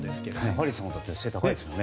ハリーさんも背が高いですもんね。